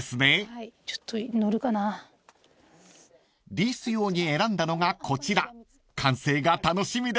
［リース用に選んだのがこちら完成が楽しみです］